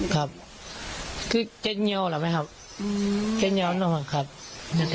ครับฯคือเจ๊งเยาว์นะครับฯเธ่่วน้องฮ่าครับอะ